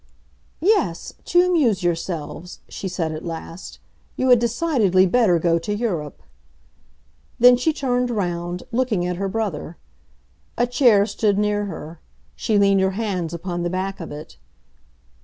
"Yes, to amuse yourselves," she said at last, "you had decidedly better go to Europe!" Then she turned round, looking at her brother. A chair stood near her; she leaned her hands upon the back of it.